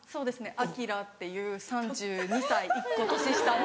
アキラっていう３２歳１コ年下の。